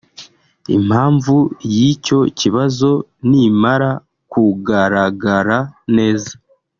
Impamvu y’icyo kibazo nimara kugaragara neza